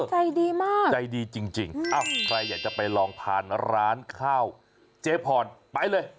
ใจดีมากใจดีจริงใครอยากจะไปลองทานร้านข้าวเจพรไปเลย